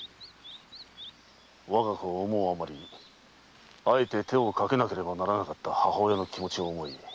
我が子を思うあまりあえて手をかけなければならなかった母親の気持ちを思い